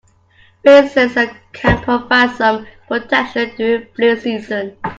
Vaccines can provide some protection during flu season.